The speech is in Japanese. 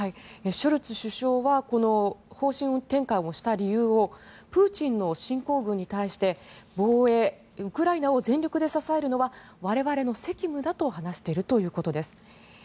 ショルツ首相はこの方針転換をした理由をプーチンの侵攻軍に対して防衛、ウクライナを全力で支えるのは我々の責務だと話しているということです。